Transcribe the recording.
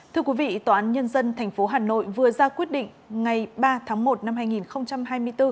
thưa quý vị tòa án nhân dân tp hà nội vừa ra quyết định ngày ba tháng một năm hai nghìn hai mươi bốn